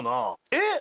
えっ！？